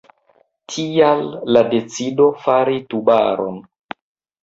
Tial la decido fari Tubaron.